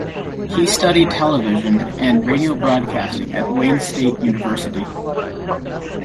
He studied television and radio broadcasting at Wayne State University.